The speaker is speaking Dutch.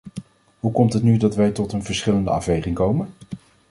Hoe komt het nu dat wij tot een verschillende afweging komen?